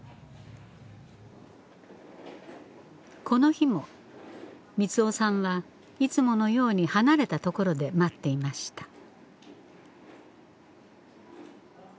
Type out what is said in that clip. この日も三男さんはいつものように離れた所で待っていました。